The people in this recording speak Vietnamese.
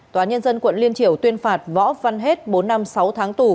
tòa nhân dân quận liên triểu tuyên phạt võ văn hết bốn năm sáu tháng tù